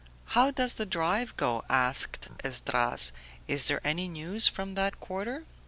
"How does the drive go?" asked Esdras. "Is there any news from that quarter?"